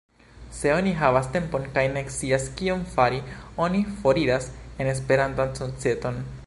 Se oni havas tempon kaj ne scias, kion fari, oni foriras en Esperantan societon.